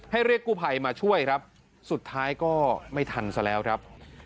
เรียกกู้ภัยมาช่วยครับสุดท้ายก็ไม่ทันซะแล้วครับ